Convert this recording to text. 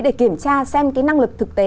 để kiểm tra xem cái năng lực thực tế